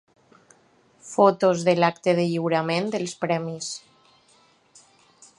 Fotos de l'acte de lliurament dels premis.